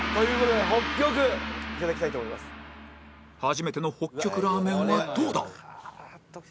初めての北極ラーメンはどうだ？